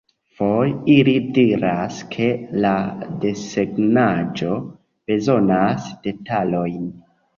Foje, ili diras ke la desegnaĵo bezonas detalojn.